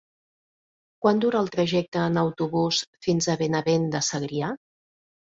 Quant dura el trajecte en autobús fins a Benavent de Segrià?